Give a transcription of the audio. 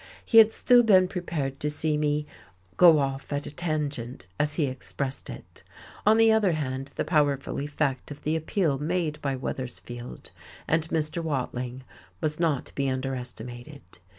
He had still been prepared to see me "go off at a tangent," as he expressed it. On the other hand, the powerful effect of the appeal made by Weathersfield and Mr. Watling must not be underestimated.